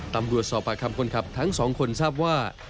ตำรวจสอบปากคำคนขับทั้งสองคนทราบว่า